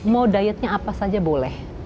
mau dietnya apa saja boleh